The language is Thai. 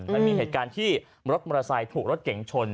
มันมีเหตุการณ์ที่รถมอเตอร์ไซค์ถูกรถเก๋งชน